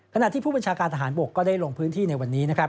ขณะที่ผู้บัญชาการทหารบกก็ได้ลงพื้นที่ในวันนี้นะครับ